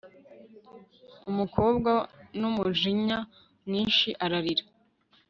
umukobwa n'umujinya mwinshi ararira